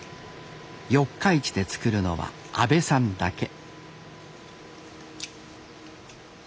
四日市で作るのは阿部さんだけ。